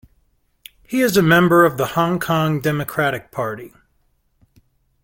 He is a member of the Hong Kong Democratic Party.